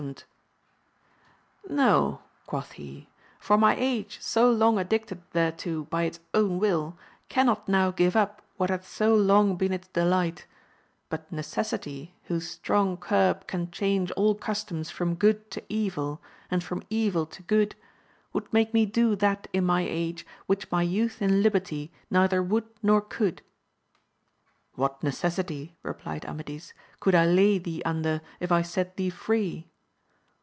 iomed ! No, quoth he, for my age so long addietod thereto by its own will, canxlot now give up what hath so long been its delight ; but necessity, whose strong curb can change all customs from good to evil, and from evil to good, would make me do that in my age^ which my youth in liberty neither would nor could. What necessity, replied Amadis, could I lay thee under, if I set thee free